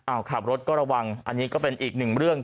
เอาขับรถก็ระวังอันนี้ก็เป็นอีกหนึ่งเรื่อง